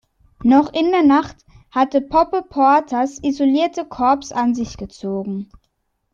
Noch in der Nacht hatte Pope Porters isoliertes Korps an sich gezogen.